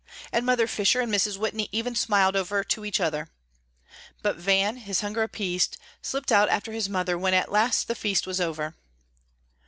And Mother Fisher and Mrs. Whitney even smiled over to each other. But Van, his hunger appeased, slipped out after his mother when at last the feast was over.